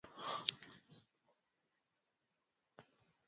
Wakati wa Vita Kuu ya Kwanza ya Duniaa hakushiriki katika vita ya